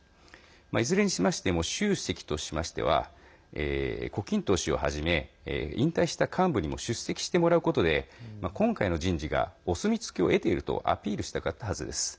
いずれにしましても習主席としましては胡錦涛氏をはじめ引退した幹部にも出席してもらうことで今回の人事がお墨付きを得ているとアピールしたかったはずです。